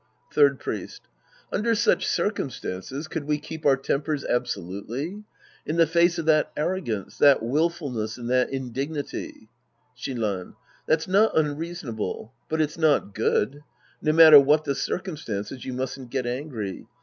Third Priest. Under such circumstances, could we keep our tempers absolutely ? In the face of that arrogance, that willfulness and that indignity — Shinran. That's not unreasonable. But it's not good. No matter what the circumstances, you mustn't get angry.